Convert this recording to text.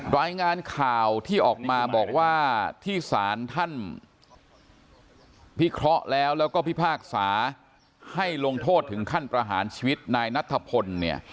รายงานข่าวที่ออกมาบอกว่าที่สารท่านพิเคราะห์แล้วแล้วก็พิพากษาให้ลงโทษถึงขั้นประหารชีวิตนายนัทพลเนี่ย